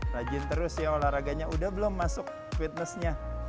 rajin terus ya olahraganya udah belum masuk fitnessnya